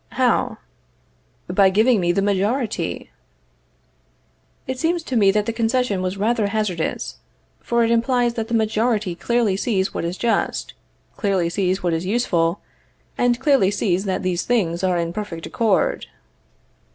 How? By giving me the majority. It seems to me that the concession was rather hazardous, for it implies that the majority clearly sees what is just, clearly sees what is useful, and clearly sees that these things are in perfect accord.